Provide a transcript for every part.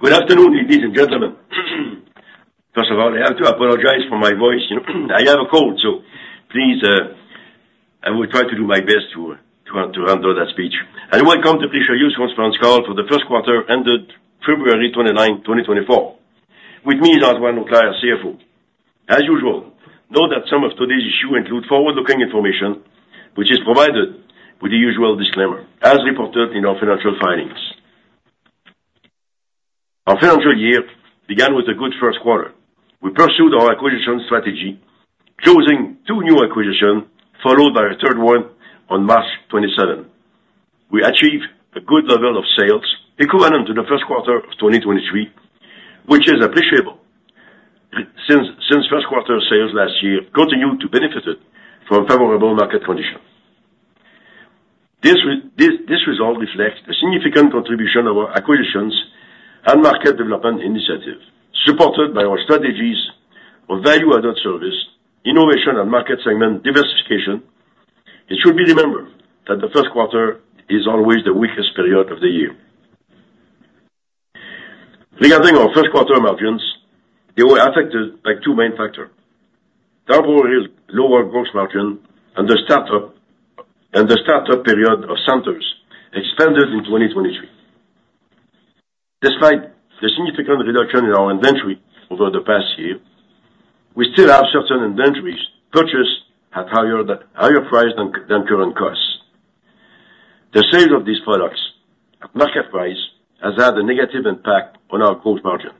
Good afternoon, ladies and gentlemen. First of all, I have to apologize for my voice. I have a cold, so please, I will try to do my best to handle that speech. Welcome to Richelieu's Conference Call for the First Quarter ended February 29, 2024. With me is Antoine Auclair, CFO. As usual, note that some of today's issues include forward-looking information, which is provided with the usual disclaimer as reported in our financial filings. Our financial year began with a good first quarter. We pursued our acquisition strategy, choosing two new acquisitions followed by a third one on March 27. We achieved a good level of sales equivalent to the first quarter of 2023, which is appreciable since first-quarter sales last year continued to benefit from favorable market conditions. This result reflects the significant contribution of our acquisitions and market development initiatives supported by our strategies of value-added service, innovation, and market segment diversification. It should be remembered that the first quarter is always the weakest period of the year. Regarding our first-quarter margins, they were affected by two main factors: temporary lower gross margin and the startup period of centers expanded in 2023. Despite the significant reduction in our inventory over the past year, we still have certain inventories purchased at higher price than current costs. The sales of these products at market price has had a negative impact on our gross margin.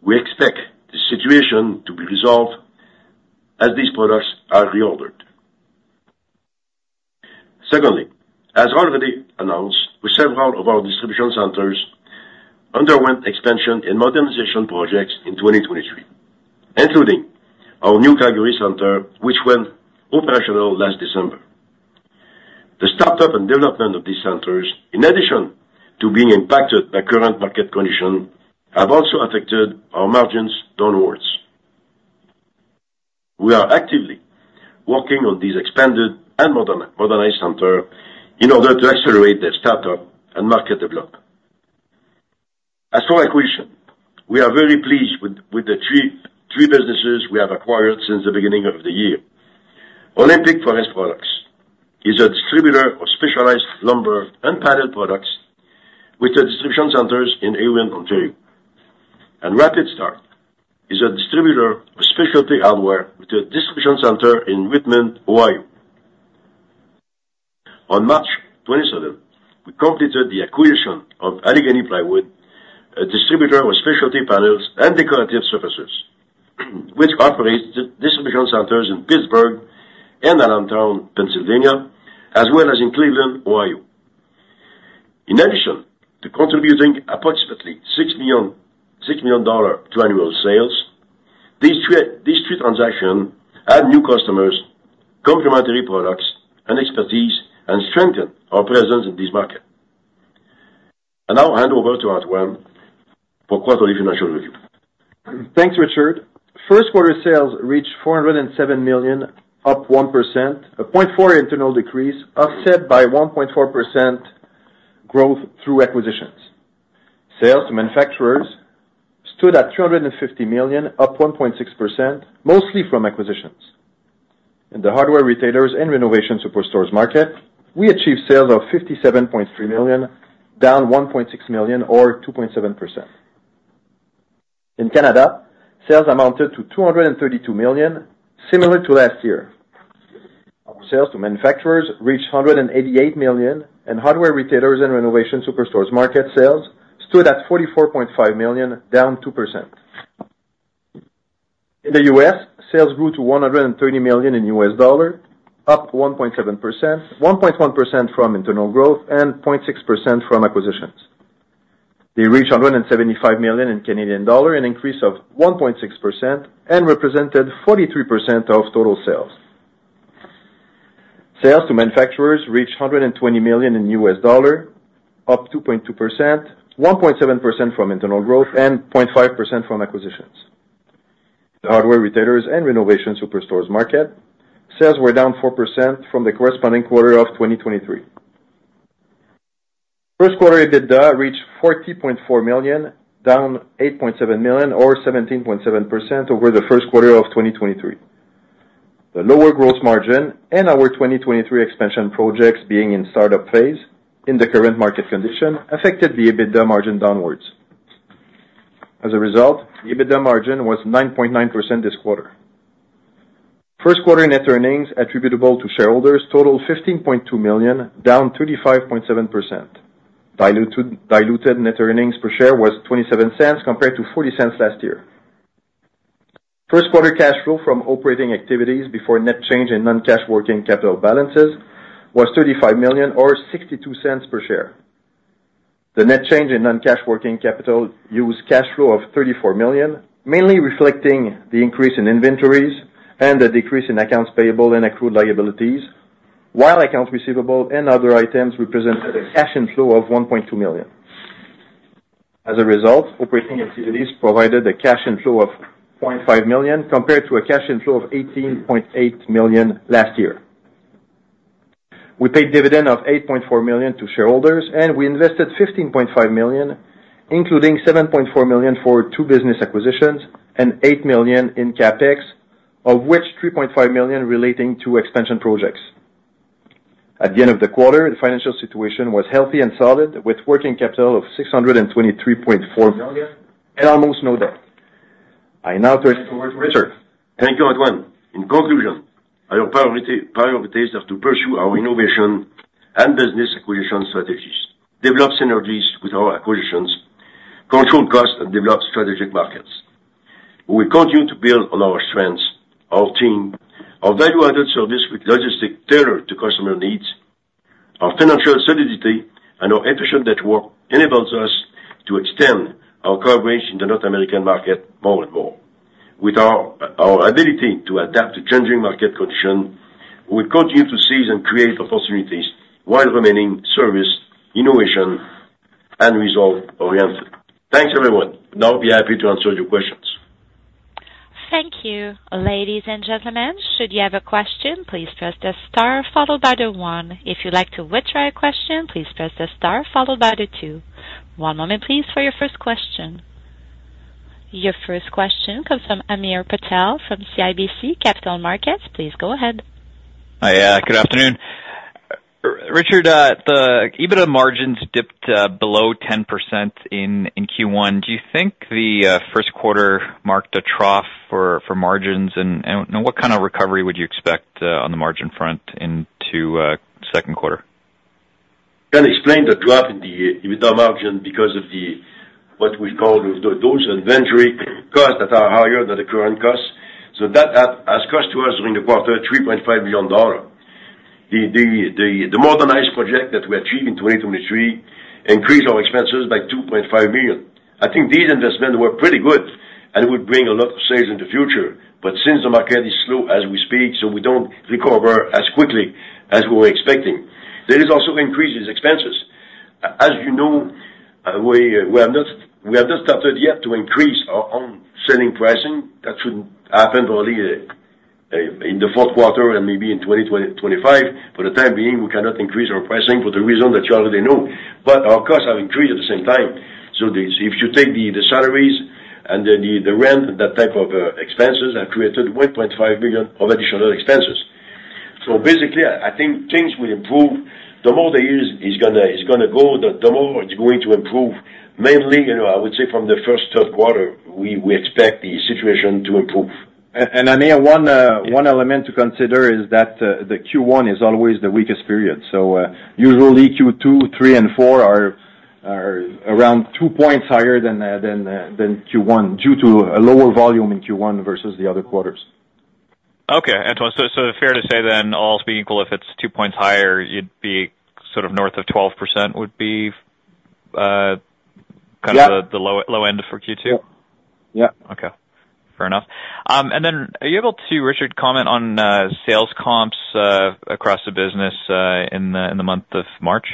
We expect this situation to be resolved as these products are reordered. Secondly, as already announced, several of our distribution centers underwent expansion and modernization projects in 2023, including our new Calgary center, which went operational last December. The startup and development of these centers, in addition to being impacted by current market conditions, have also affected our margins downwards. We are actively working on these expanded and modernized centers in order to accelerate their startup and market development. As for acquisition, we are very pleased with the three businesses we have acquired since the beginning of the year. Olympic Forest Products is a distributor of specialized lumber and panel products with a distribution center in Erin, Ontario. Rapid Start is a distributor of specialty hardware with a distribution center in Rittman, Ohio. On March 27, we completed the acquisition of Allegheny Plywood, a distributor of specialty panels and decorative surfaces, which operates distribution centers in Pittsburgh and Allentown, Pennsylvania, as well as in Cleveland, Ohio. In addition to contributing approximately $6 million to annual sales, these three transactions add new customers, complementary products, and expertise, and strengthen our presence in these markets. Now, hand over to Antoine for quarterly financial review. Thanks, Richard. First-quarter sales reached 407 million, up 1%, a 0.4 internal decrease, offset by 1.4% growth through acquisitions. Sales to manufacturers stood at 350 million, up 1.6%, mostly from acquisitions. In the hardware retailers and renovation superstores market, we achieved sales of 57.3 million, down 1.6 million or 2.7%. In Canada, sales amounted to 232 million, similar to last year. Our sales to manufacturers reached 188 million, and hardware retailers and renovation superstores market sales stood at 44.5 million, down 2%. In the U.S., sales grew to $130 million in U.S. dollars, up 1.7%, 1.1% from internal growth, and 0.6% from acquisitions. They reached 175 million in Canadian dollars, an increase of 1.6%, and represented 43% of total sales. Sales to manufacturers reached $120 million in U.S. dollars, up 2.2%, 1.7% from internal growth, and 0.5% from acquisitions. In the hardware retailers and renovation superstores market, sales were down 4% from the corresponding quarter of 2023. First-quarter EBITDA reached 40.4 million, down 8.7 million or 17.7% over the first quarter of 2023. The lower gross margin and our 2023 expansion projects being in startup phase in the current market condition affected the EBITDA margin downwards. As a result, the EBITDA margin was 9.9% this quarter. First-quarter net earnings attributable to shareholders totaled 15.2 million, down 35.7%. Diluted net earnings per share was 0.27 compared to 0.40 last year. First-quarter cash flow from operating activities before net change in non-cash working capital balances was 35 million or 0.62 per share. The net change in non-cash working capital used 34 million, mainly reflecting the increase in inventories and the decrease in accounts payable and accrued liabilities, while accounts receivable and other items represented a cash inflow of 1.2 million. As a result, operating activities provided a cash inflow of 0.5 million compared to a cash inflow of 18.8 million last year. We paid dividend of 8.4 million to shareholders, and we invested 15.5 million, including 7.4 million for two business acquisitions and 8 million in CapEx, of which 3.5 million relating to expansion projects. At the end of the quarter, the financial situation was healthy and solid, with working capital of 623.4 million and almost no debt. I now turn it over to Richard. Thank you, Antoine. In conclusion, our priorities are to pursue our innovation and business acquisition strategies, develop synergies with our acquisitions, control costs, and develop strategic markets. We will continue to build on our strengths, our team, our value-added service with logistics tailored to customer needs. Our financial solidity and our efficient network enables us to extend our coverage in the North American market more and more. With our ability to adapt to changing market conditions, we will continue to seize and create opportunities while remaining service, innovation, and result-oriented. Thanks, everyone. Now, I'll be happy to answer your questions. Thank you, ladies and gentlemen. Should you have a question, please press the star followed by the one. If you'd like to withdraw your question, please press the star followed by the two. One moment, please, for your first question. Your first question comes from Hamir Patel from CIBC Capital Markets. Please go ahead. Hi. Good afternoon. Richard, the EBITDA margins dipped below 10% in Q1. Do you think the first quarter marked a trough for margins? And what kind of recovery would you expect on the margin front into second quarter? Can explain the drop in the EBITDA margin because of what we call those inventory costs that are higher than the current costs. So that has cost us during the quarter 3.5 million dollars. The modernized project that we achieved in 2023 increased our expenses by 2.5 million. I think these investments were pretty good and would bring a lot of sales in the future. But since the market is slow as we speak, so we don't recover as quickly as we were expecting, there is also an increase in expenses. As you know, we have not started yet to increase our own selling pricing. That should happen probably in the fourth quarter and maybe in 2025. For the time being, we cannot increase our pricing for the reason that you already know. But our costs have increased at the same time. If you take the salaries and the rent, that type of expenses have created 1.5 million of additional expenses. So basically, I think things will improve. The more the year is going to go, the more it's going to improve. Mainly, I would say from the first third quarter, we expect the situation to improve. And Hamir, one element to consider is that Q1 is always the weakest period. So usually, Q2, Q3, and Q4 are around two points higher than Q1 due to a lower volume in Q1 versus the other quarters. Okay, Antoine. So fair to say then, all being equal, if it's two points higher, sort of north of 12% would be kind of the low end for Q2? Yeah. Okay. Fair enough. Then are you able to, Richard, comment on sales comps across the business in the month of March?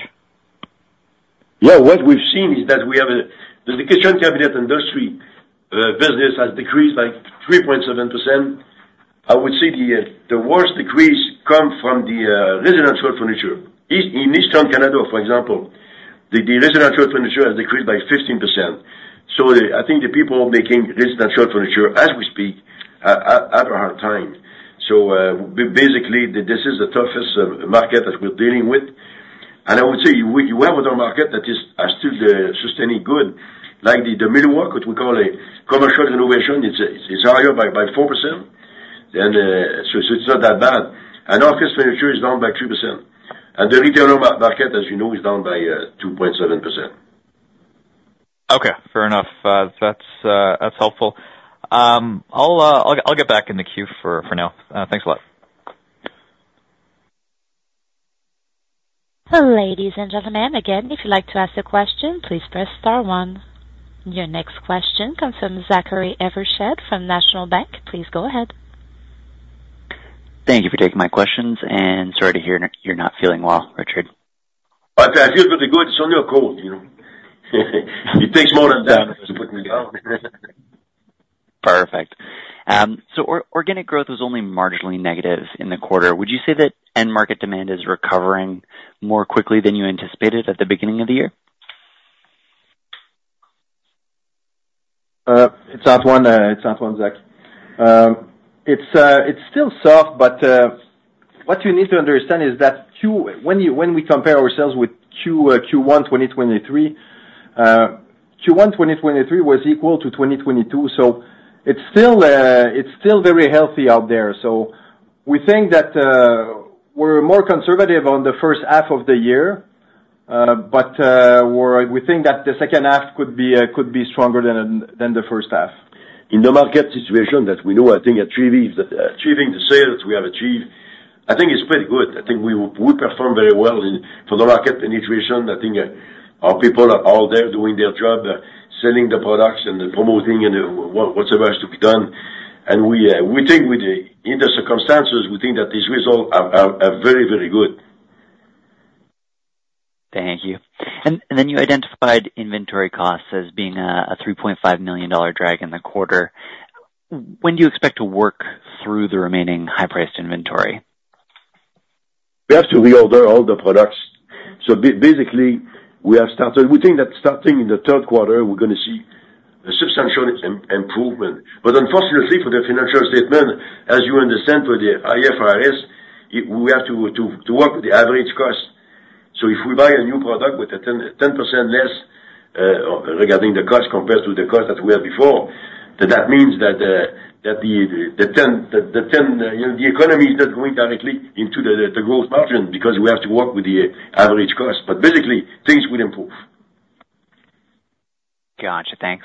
Yeah. What we've seen is that we have the custom cabinet industry business has decreased by 3.7%. I would say the worst decrease comes from the residential furniture. In Eastern Canada, for example, the residential furniture has decreased by 15%. So I think the people making residential furniture, as we speak, have a hard time. So basically, this is the toughest market that we're dealing with. And I would say we have another market that is still sustaining good, like the millwork, what we call commercial renovation. It's higher by 4%, so it's not that bad. And office furniture is down by 3%. And the retailer market, as you know, is down by 2.7%. Okay. Fair enough. That's helpful. I'll get back in the queue for now. Thanks a lot. Hello, ladies and gentlemen. Again, if you'd like to ask a question, please press star one. Your next question comes from Zachary Evershed from National Bank. Please go ahead. Thank you for taking my questions. Sorry to hear you're not feeling well, Richard. I feel pretty good. It's only a cold. It takes more than that to put me down. Perfect. So organic growth was only marginally negative in the quarter. Would you say that end-market demand is recovering more quickly than you anticipated at the beginning of the year? It's Antoine, Zach. It's still soft. But what you need to understand is that when we compare ourselves with Q1 2023, Q1 2023 was equal to 2022. So it's still very healthy out there. So we think that we're more conservative on the first half of the year. But we think that the second half could be stronger than the first half. In the market situation that we know, I think achieving the sales that we have achieved, I think it's pretty good. I think we perform very well for the market situation. I think our people are all there doing their job, selling the products and promoting and whatever has to be done. In the circumstances, we think that these results are very, very good. Thank you. And then you identified inventory costs as being a 3.5 million dollar drag in the quarter. When do you expect to work through the remaining high-priced inventory? We have to reorder all the products. So basically, we think that starting in the third quarter, we're going to see a substantial improvement. But unfortunately, for the financial statement, as you understand for the IFRS, we have to work with the average cost. So if we buy a new product with 10% less regarding the cost compared to the cost that we had before, then that means that the economy is not going directly into the gross margin because we have to work with the average cost. But basically, things will improve. Gotcha. Thanks.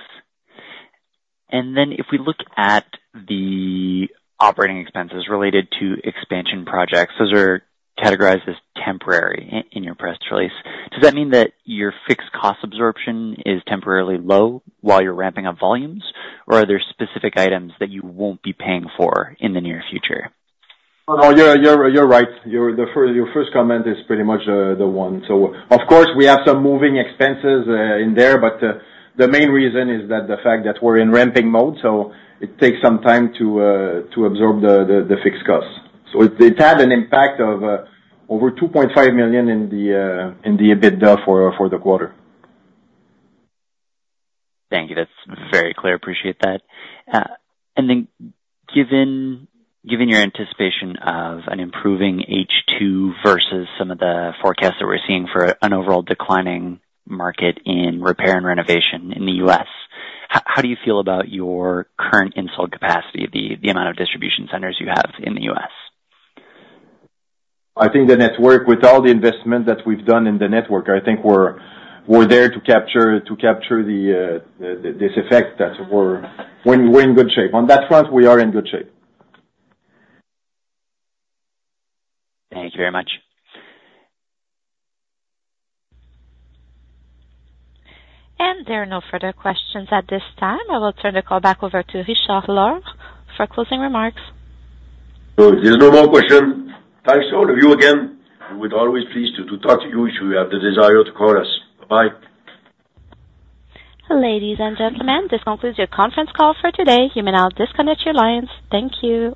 And then if we look at the operating expenses related to expansion projects, those are categorized as temporary in your press release. Does that mean that your fixed cost absorption is temporarily low while you're ramping up volumes, or are there specific items that you won't be paying for in the near future? No, no. You're right. Your first comment is pretty much the one. So of course, we have some moving expenses in there. But the main reason is the fact that we're in ramping mode, so it takes some time to absorb the fixed costs. So it had an impact of over 2.5 million in the EBITDA for the quarter. Thank you. That's very clear. Appreciate that. And then given your anticipation of an improving H2 versus some of the forecasts that we're seeing for an overall declining market in repair and renovation in the U.S., how do you feel about your current installed capacity, the amount of distribution centers you have in the U.S.? I think the network, with all the investment that we've done in the network, I think we're there to capture this effect that we're in good shape. On that front, we are in good shape. Thank you very much. There are no further questions at this time. I will turn the call back over to Richard Lord for closing remarks. There's no more questions. Thanks, all of you, again. We would always be pleased to talk to you if you have the desire to call us. Bye-bye. Hello, ladies and gentlemen. This concludes your conference call for today. You may now disconnect your lines. Thank you.